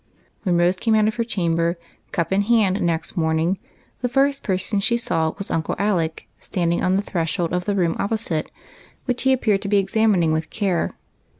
WHEN" Rose came out of her chamber, cup in hand, next morning, the first person she saw was Uncle Alec standing on the threshold of the room opposite, which he appeared to be examining with care.